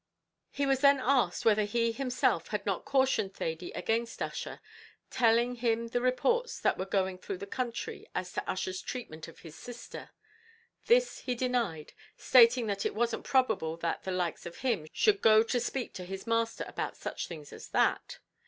He was then asked whether he himself had not cautioned Thady against Ussher, telling him the reports that were going through the country as to Ussher's treatment of his sister. This he denied, stating that it wasn't probable that "the likes of him should go to speak to his masther about such things as that."